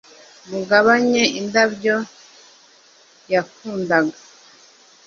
mugabanye indabyo yakundaga